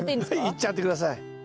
いっちゃって下さい。